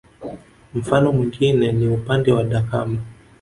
Mfano mwingine ni upande wa Dakama